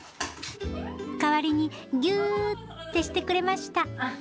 代わりにギュってしてくれました。